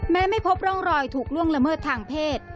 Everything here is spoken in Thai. ไม่พบร่องรอยถูกล่วงละเมิดทางเพศ